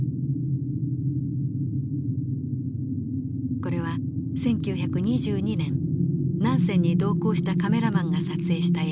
これは１９２２年ナンセンに同行したカメラマンが撮影した映像です。